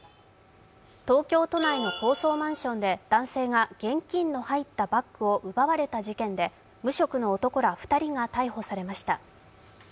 東京都内の高層マンションで男性が現金の入ったバッグを奪われた事件で無職の男ら２人が逮捕されました。